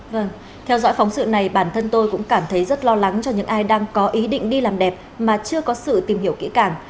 vâng theo dõi phóng sự này bản thân tôi cũng cảm thấy rất lo lắng cho những ai đang có ý định đi làm đẹp mà chưa có sự tìm hiểu kỹ càng